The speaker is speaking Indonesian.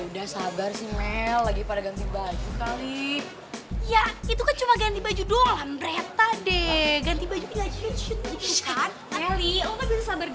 udah coba nanti ya